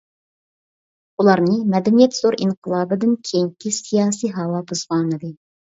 ئۇلارنى «مەدەنىيەت زور ئىنقىلابى» دىن كېيىنكى سىياسىي ھاۋا بۇزغانىدى.